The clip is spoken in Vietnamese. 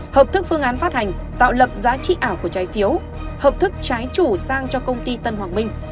hợp thức phương án phát hành tạo lập giá trị ảo của trái phiếu hợp thức trái chủ sang cho công ty tân hoàng minh